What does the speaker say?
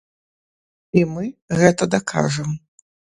І мы гэта дакажам!